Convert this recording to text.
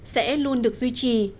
sẽ luôn được duy trì